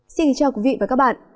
xin kính chào quý vị và các bạn